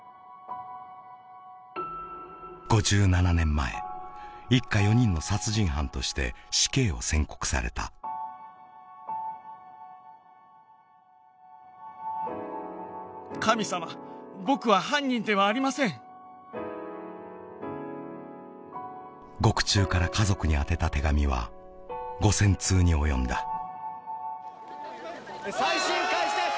５７年前一家４人の殺人犯として死刑を宣告された獄中から家族に宛てた手紙は５０００通に及んだ・再審開始です！